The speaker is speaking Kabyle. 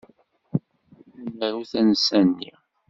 Ad naru tansa-nni.